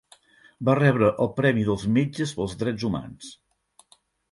Va rebre el Premi dels Metges pels Drets Humans.